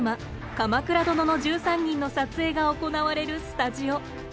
「鎌倉殿の１３人」の撮影が行われるスタジオ。